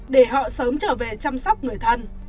để họ sớm trở về chăm sóc người thân